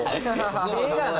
ええがな！